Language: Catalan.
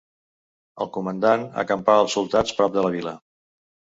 El comandant acampà els soldats prop de la vila.